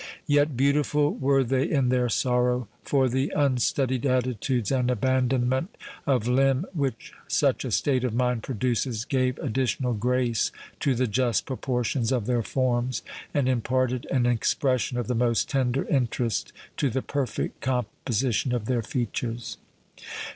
Yet beautiful were they in their sorrow; for the unstudied attitudes and abandonment of limb which such a state of mind produces, gave additional grace to the just proportions of their forms, and imparted an expression of the most tender interest to the perfect composition of their features.